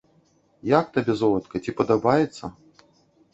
Як табе, золатка, ці падабаецца?